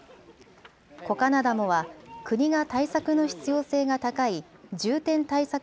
コカナダモは国が対策の必要性が高い重点対策